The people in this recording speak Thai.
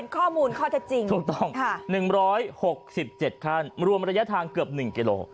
ข้อมูลข้อเท็จจริงถูกต้อง๑๖๗ขั้นรวมระยะทางเกือบ๑กิโล